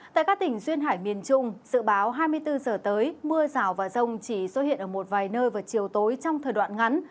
tại các tỉnh duyên hải miền trung dự báo hai mươi bốn giờ tới mưa rào và rông chỉ xuất hiện ở một vài nơi vào chiều tối trong thời đoạn ngắn